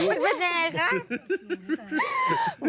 มันไม่แจงไหม